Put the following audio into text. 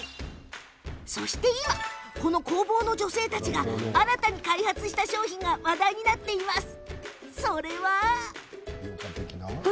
そして今、この工房の女性たちが新たに開発した商品が話題になっているんです。